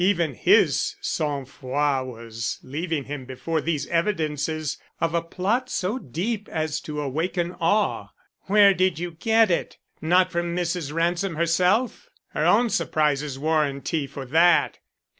Even his sang froid was leaving him before these evidences of a plot so deep as to awaken awe. "Where did you get it? Not from Mrs. Ransom herself? Her own surprise is warranty for that."